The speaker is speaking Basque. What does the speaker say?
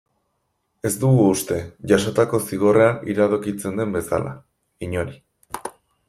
Ez dugu uste, jasotako zigorrean iradokitzen den bezala, inori.